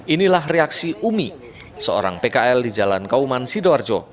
inilah reaksi umi seorang pkl di jalan kauman sidoarjo